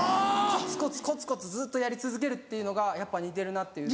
コツコツコツコツずっとやり続けるっていうのがやっぱ似てるなっていう。